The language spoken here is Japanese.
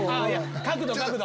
角度角度！